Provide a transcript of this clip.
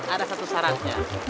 ada satu syaratnya